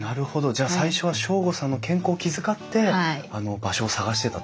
じゃあ最初は省吾さんの健康を気遣って場所を探してたと？